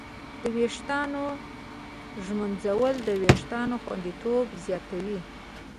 د ویښتانو ږمنځول د وېښتانو خوندیتوب زیاتوي.